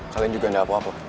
kalian juga nggak apa apa